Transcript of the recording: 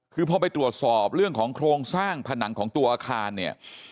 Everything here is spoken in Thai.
คือพอไปตรวจสอบเรื่องของโครงสร้างผนังของตัวอาคารเนี่ย